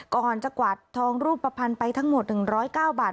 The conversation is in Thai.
ก่อนจะกวาดทองรูปภัณฑ์ไปทั้งหมด๑๐๙บาท